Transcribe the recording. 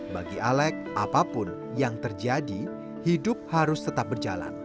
bagi alek apapun yang terjadi hidup harus tetap berjalan